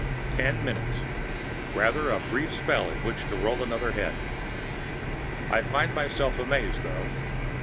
Ten minutes rather a brief spell in which to roll another head. I find myself amazed, though.